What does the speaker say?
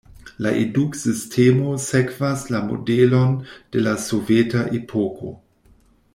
La eduksistemo sekvas la modelon de la soveta epoko.